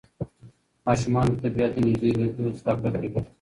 ماشومان د طبیعت له نږدې لیدلو زده کړه کوي